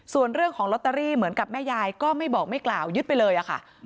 ส่วนเรื่องของลอตเตอรี่เหมือนกับแม่ยายก็ไม่บอกไม่กล่าวยึดไปเลยอะค่ะ